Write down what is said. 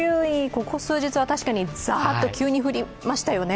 ここ数日は確かにざーっと降りましたよね。